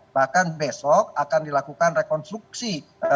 bahkan besok akan dilakukan rekonstruksi